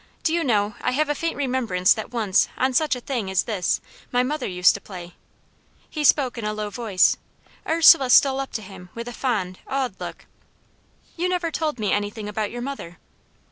Do you know I have a faint remembrance that once, on such a thing as this, my mother used to play?" He spoke in a low voice; Ursula stole up to him with a fond, awed look. "You never told me anything about your mother?"